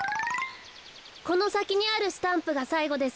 このさきにあるスタンプがさいごです。